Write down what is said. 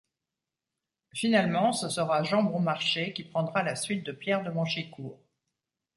Finalement, ce sera Jean Bonmarché qui prendra la suite de Pierre de Manchicourt.